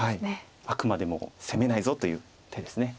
あくまでも攻めないぞという手です。